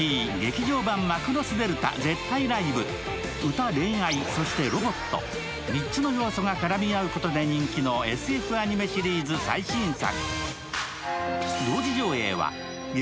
歌、恋愛、そしてロボット、３つの要素が絡み合うことで人気のＳＦアニメシリーズ最新作。